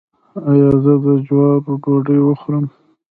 ایا زه د جوارو ډوډۍ وخورم؟